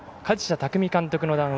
舍巧監督の談話。